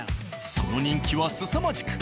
その人気はすさまじく。